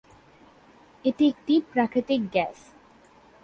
এটি একটি প্রাকৃতিক গ্যাস।